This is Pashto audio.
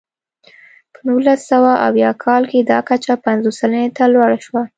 په نولس سوه اویا کال کې دا کچه پنځوس سلنې ته لوړه شوه.